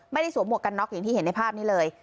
สวมหวกกันน็อกอย่างที่เห็นในภาพนี้เลย